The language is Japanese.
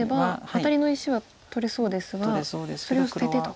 アタリの石は取れそうですがそれを捨ててと。